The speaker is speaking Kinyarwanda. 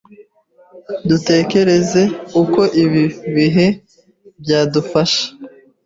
dutekereze uko ibi bihe byadufasha